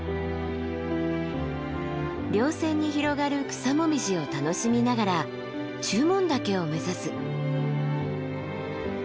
稜線に広がる草紅葉を楽しみながら中門岳を目指す。